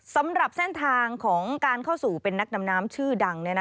สำหรับเส้นทางของการเข้าสู่เป็นนักดำน้ำชื่อดัง